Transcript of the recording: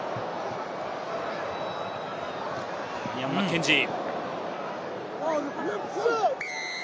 ダミアン・マッケンジー。